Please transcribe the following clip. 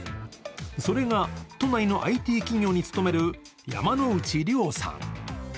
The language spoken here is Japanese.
それが都内のＩＴ企業に勤める山之内涼さん。